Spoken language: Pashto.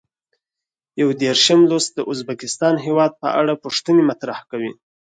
یو دېرشم لوست د ازبکستان هېواد په اړه پوښتنې مطرح کوي.